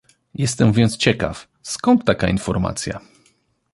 Jestem więc ciekaw, skąd taka informacja?